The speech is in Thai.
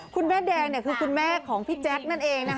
คุณแม่แดงคือคุณแม่ของพี่แจ๊คนั่นเอง